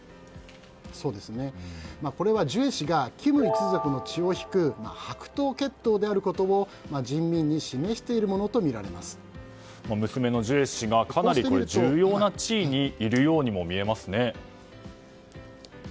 これはジュエ氏がキム一族の血を引く白頭血統であることを人民に娘のジュエ氏がかなり重要な地位にいるようにもみえますね。